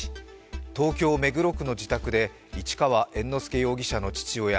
東京・目黒区の自宅で、市川猿之助容疑者の父親